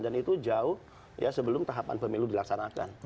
dan itu jauh sebelum tahapan pemilu dilaksanakan